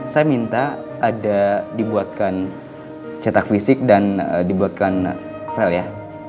saya minta ada dibuatkan cetak fisik dan dibuatkan fall ya